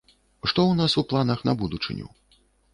Што ў нас у планах на будучыню?